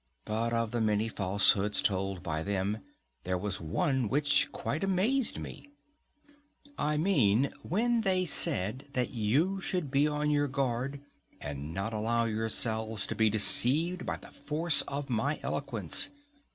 But of the many falsehoods told by them, there was one which quite amazed me;—I mean when they said that you should be upon your guard and not allow yourselves to be deceived by the force of my eloquence.